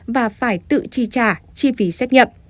và phải tự chi trả chi phí xét nghiệm